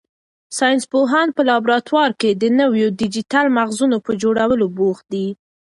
ساینس پوهان په لابراتوار کې د نویو ډیجیټل مغزونو په جوړولو بوخت دي.